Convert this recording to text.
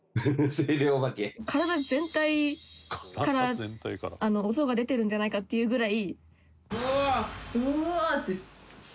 体全体から音が出てるんじゃないかっていうぐらい。